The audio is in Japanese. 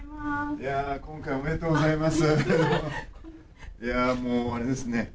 今回おめでとうございます。